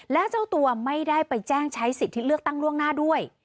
และเจ้าตัวไม่ได้ไปแจ้งใช้สิทธิเลือกตั้งล่วงหน้าด้วย